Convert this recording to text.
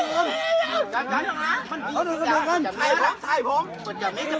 พ่อหนูเป็นใคร